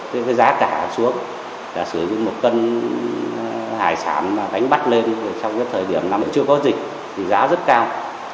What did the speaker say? thế giá cả xuống là xử lý một cân hải sản đánh bắt lên trong cái thời điểm năm chưa có dịch thì giá rất cao